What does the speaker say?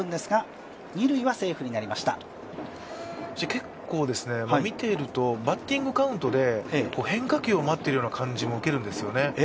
結構見ていると、バッティングカウントで変化球を待っているような感じも受けるんですよね。